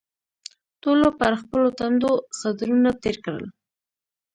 ټولو پر خپلو ټنډو څادرونه تېر کړل.